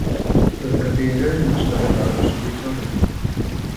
Roedd y cadeiriau yn y stafell aros wedi torri.